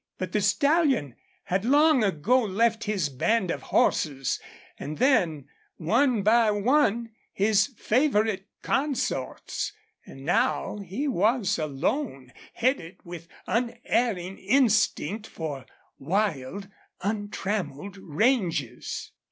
But the stallion had long ago left his band of horses, and then, one by one his favorite consorts, and now he was alone, headed with unerring instinct for wild, untrammeled ranges.